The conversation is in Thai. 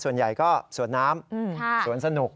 ส่วนใหญ่ก็สวดน้ำสวนสนุก